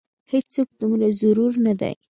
هېڅ څوک دومره زورور نه دی.